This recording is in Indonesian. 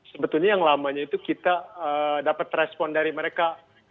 sebetulnya yang lamanya itu kita dapat respon dari mereka